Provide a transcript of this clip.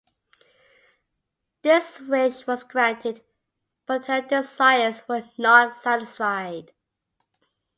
This wish was granted, but her desires were not satisfied.